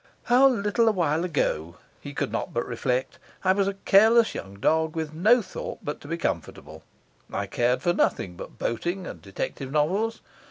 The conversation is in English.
'How little a while ago,' he could not but reflect, 'I was a careless young dog with no thought but to be comfortable! I cared for nothing but boating and detective novels.